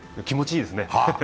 気持ちいいですね。